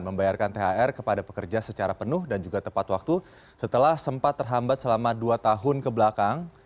membayarkan thr kepada pekerja secara penuh dan juga tepat waktu setelah sempat terhambat selama dua tahun kebelakang